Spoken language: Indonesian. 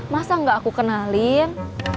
masa enggak aku kenalin